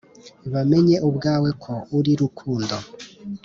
bamenye ubwawe ko uri rukundo